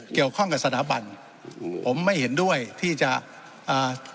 เกี่ยวข้องกับสถาบันโอ้โหผมไม่เห็นด้วยที่จะอ่า